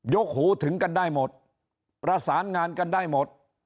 กหูถึงกันได้หมดประสานงานกันได้หมด